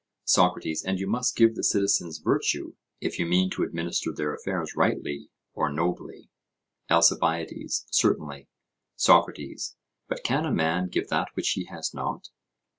SOCRATES: And you must give the citizens virtue, if you mean to administer their affairs rightly or nobly? ALCIBIADES: Certainly. SOCRATES: But can a man give that which he has not?